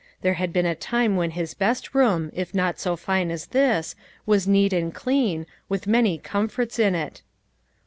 There had been a time when his best room if not so fine as this, was neat and clean, with many comforts in it.